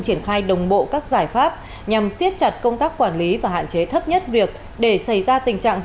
triển khai đồng bộ các giải pháp nhằm siết chặt công tác quản lý và hạn chế thấp nhất việc để xảy ra tình trạng